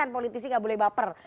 politisi gak boleh baper